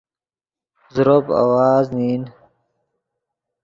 زروپ آواز نین